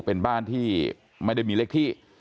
เป็นบ้านที่ไม่ได้มีเลขที่